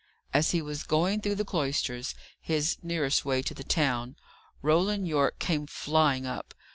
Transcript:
As he was going through the cloisters his nearest way to the town Roland Yorke came flying up.